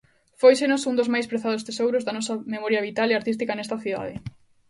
Fóisenos un dos máis prezados tesouros da nosa memoria vital e artística nesta cidade.